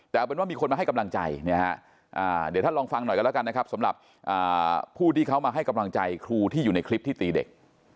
แต่เอาเป็นว่ามีคนมาให้กำลังใจเนี่ยฮะเดี๋ยวท่านลองฟังหน่อยกันแล้วกันนะครับสำหรับผู้ที่เขามาให้กำลังใจครูที่อยู่ในคลิปที่ตีเด็ก